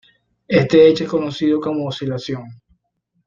Este hecho es conocido como oscilación.